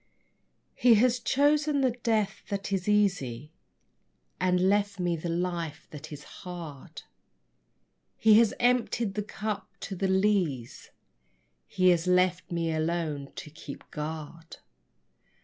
_ He has chosen the death that is easy And left me the life that is hard. He has emptied the cup to the lees, he Has left me alone to keep guard.